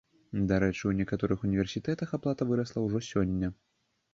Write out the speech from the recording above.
Дарэчы, у некаторых універсітэтах аплата вырасла ўжо сёння.